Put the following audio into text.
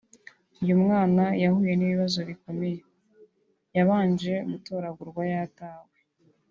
Uyu mwana yahuye n’ibibazo bikomeye yabanje gutoragurwa yatawe